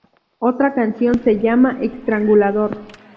Otra canción se llama "Estrangulador.